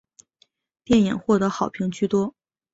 电影获得好评居多。